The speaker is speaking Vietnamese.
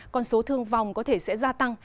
còn số thương vong có thể sẽ gia tăng